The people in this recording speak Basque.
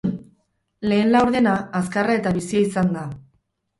Lehen laurdena azkarra eta bizia izan da.